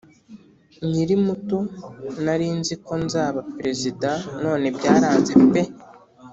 nyiri muto narinzi ko nzaba perezida none byaranze pe